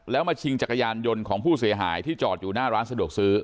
แล้วมาชิงจักรยานยนต์ของผู้เสียหายที่จอดอยู่หน้าร้านสะดวกซื้อ